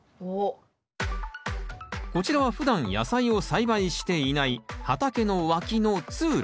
こちらはふだん野菜を栽培していない畑の脇の通路。